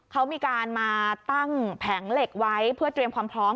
เขามีการมาตั้งแผงเหล็กไว้เพื่อเตรียมความพร้อม